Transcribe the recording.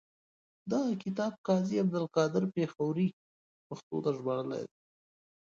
دغه کتاب قاضي عبدالقادر پیښوري پښتو ته ژباړلی دی.